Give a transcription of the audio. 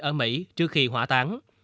ở mỹ trước khi hỏa tán